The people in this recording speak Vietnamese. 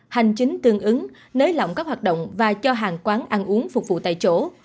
hành chính tương ứng nới lỏng các hoạt động và cho hàng quán ăn uống phục vụ tại chỗ